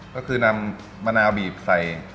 ก็คือนำมะนาวบีบใส่